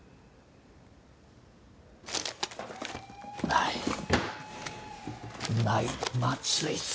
ないないまずいぞ。